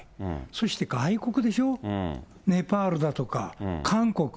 そして外国でしょ、ネパールだとか韓国。